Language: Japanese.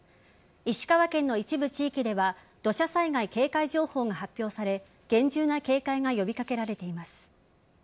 石川県の一部地域では土砂災害警戒情報が発表され厳重な警戒が呼び掛けられています。